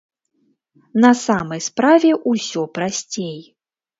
На самай справе ўсё прасцей.